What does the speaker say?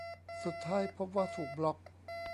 สุดท้ายพบว่าถูกบล็อค